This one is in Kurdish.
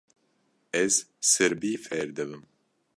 Ez sirbî fêr dibim.